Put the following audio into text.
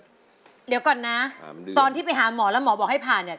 เดี๋ยวก่อนนะตอนที่ไปหาหมอแล้วหมอบอกให้ผ่านเนี่ย